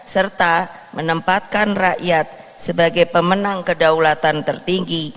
serta menempatkan rakyat sebagai pemenang kedaulatan tertinggi